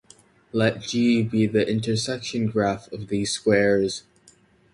Let "G" be the intersection graph of these squares.